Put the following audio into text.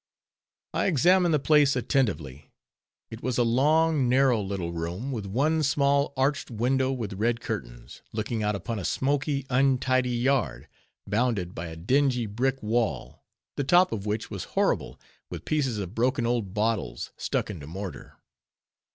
I examined the place attentively; it was a long, narrow, little room, with one small arched window with red curtains, looking out upon a smoky, untidy yard, bounded by a dingy brick wall, the top of which was horrible with pieces of broken old bottles, stuck into mortar.